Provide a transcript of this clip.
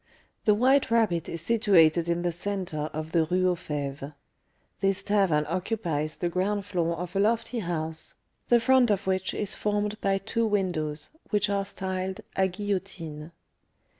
The White Rabbit is situated in the centre of the Rue aux Fêves. This tavern occupies the ground floor of a lofty house, the front of which is formed by two windows, which are styled "a guillotine."